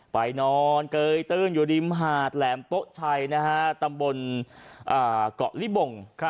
ไปนอนเกยตื้นอยู่ริมหาดแหลมโต๊ะชัยตำบลเกาะลิบง